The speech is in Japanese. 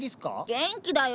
元気だよ！